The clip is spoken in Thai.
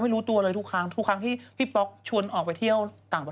ไอ้แมกกี้เขาบอกว่าเขาก็ถามว่า